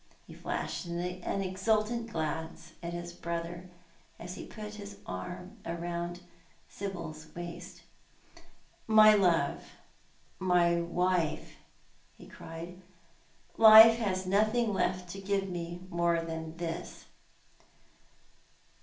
He flashed an exultant glance at his brother, as he \)\xt his arm round Sibyl's waist. " :\Iy love, my wife," he cried. " Life has nothing left to give me more than this."